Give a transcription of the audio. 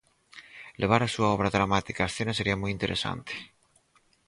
Levar a súa obra dramática á escena sería moi interesante.